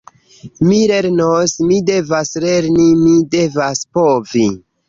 Mi lernos, mi devas lerni, mi devas povi!